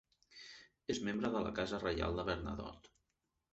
És membre de la casa reial de Bernadotte.